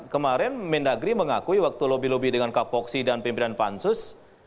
kemarin mendagri mengakui waktu lobby lobby dengan kapoksi dan pimpinan pansus